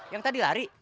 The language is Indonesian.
yang tadi lari